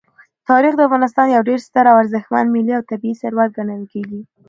تاریخ د افغانستان یو ډېر ستر او ارزښتمن ملي او طبعي ثروت ګڼل کېږي.